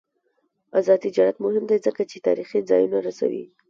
آزاد تجارت مهم دی ځکه چې تاریخي ځایونه رسوي.